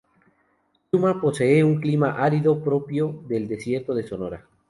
Yuma posee un clima árido, propio del desierto de Sonora.